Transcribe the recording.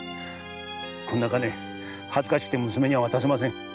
こんな金恥ずかしくて娘には渡せません。